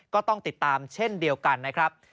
ก็ต้องติดตามเช่นเดียวกันนะครับ